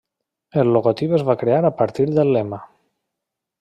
El logotip es va crear a partir del lema.